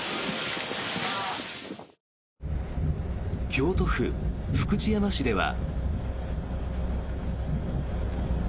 京都府福知山市では。